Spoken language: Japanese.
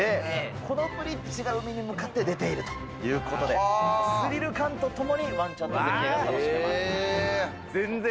このブリッジが海に向かって出ているということで、スリル感とともに、ワンちゃんと絶景が楽しめます。